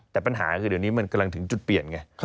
แต่ปัญหาคือเดี๋ยวนี้มันกำลังถึงจุดเปลี่ยนไง